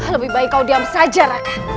lebih baik kau diam saja